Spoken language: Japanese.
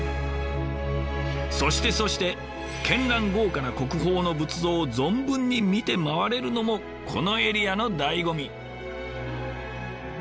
そしてそして絢爛豪華な国宝の仏像を存分に見て回れるのもこのエリアの醍醐味。